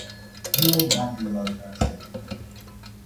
Nu luăm bani de la alte națiuni.